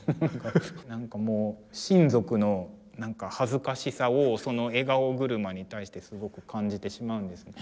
なんかもう親族の恥ずかしさをその「笑顔車」に対してすごく感じてしまうんです。